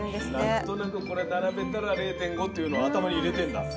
何となくこれ並べたら０．５っていうの頭に入れてんだ。